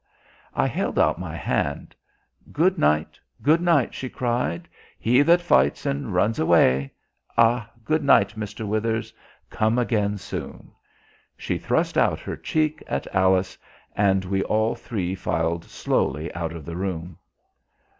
I held out my hand. "Good night, good night!" she cried. "'He that fights and runs away.' Ah, good night, Mr. Withers; come again soon!" She thrust out her cheek at Alice, and we all three filed slowly out of the room.